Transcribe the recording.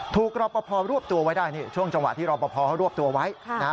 รอปภรวบตัวไว้ได้นี่ช่วงจังหวะที่รอปภเขารวบตัวไว้นะฮะ